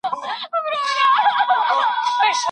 ای ګونګي سړيه، د ږیري سره ډېري مڼې وخوره.